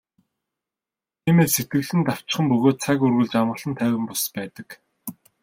Тиймээс сэтгэл нь давчхан бөгөөд цаг үргэлж амгалан тайван бус байдаг.